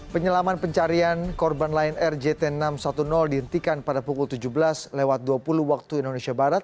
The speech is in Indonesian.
penyelaman pencarian korban lion air jt enam ratus sepuluh dihentikan pada pukul tujuh belas lewat dua puluh waktu indonesia barat